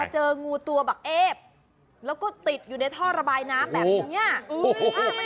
เจองูตัวแบบเอ๊ะแล้วก็ติดอยู่ในท่อระบายน้ำแบบนี้